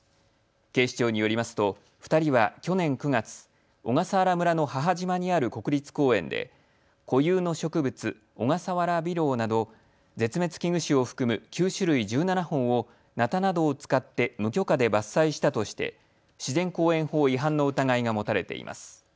警視庁によりますと２人は去年９月、小笠原村の母島にある国立公園で固有の植物、オガサワラビロウなど絶滅危惧種を含む９種類１７本をなたなどを使って無許可で伐採したとして自然公園法違反の疑いが持たれています。